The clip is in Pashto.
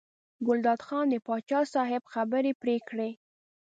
ګلداد خان د پاچا صاحب خبرې پرې کړې.